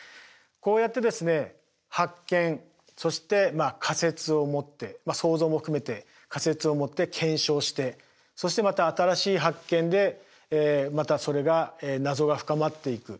こうやってですね発見そして仮説を持って想像も含めて仮説を持って検証してそしてまた新しい発見でまたそれが謎が深まっていく。